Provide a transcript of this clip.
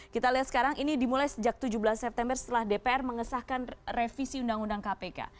kita lihat sekarang ini dimulai sejak tujuh belas september setelah dpr mengesahkan revisi undang undang kpk